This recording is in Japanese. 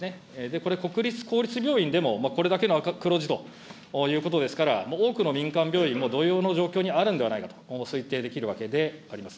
これ、国立、公立病院でもこれだけの黒字ということですから、もう多くの民間病院も同様の状況にあるんではないかと推定できるわけであります。